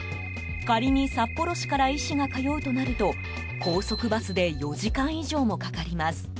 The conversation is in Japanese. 仮に札幌市から医師が通うとなると高速バスで４時間以上もかかります。